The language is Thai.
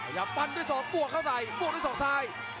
หยับปันด้วยสองปวกเข้าใส่ปวกด้วยสองทราย